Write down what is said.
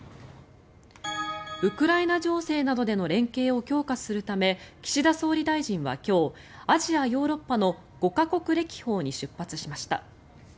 ウクライナ情勢などでの連携を強化するため岸田総理大臣は今日アジア・ヨーロッパの５か国歴訪に出発しました。